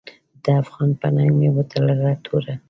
د افغان په ننګ مې وتړله توره .